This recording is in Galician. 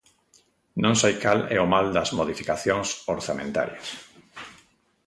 Non sei cal é o mal das modificacións orzamentarias.